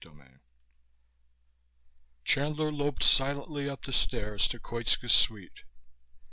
XIV Chandler loped silently up the stairs to Koitska's suite.